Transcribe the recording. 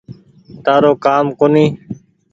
تآرو ڪآم ڪونيٚ